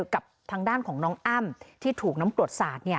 กับทางด้านของน้องอ้ำที่ถูกน้ำกรดสาด